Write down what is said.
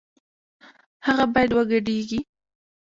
هغه بايد وګډېږي